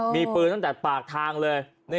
มีปืนตั้งแต่ปากทางเลย